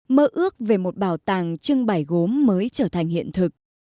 mơ ước về một bảo tàng trưng bày gốm mới trở thành hiện thực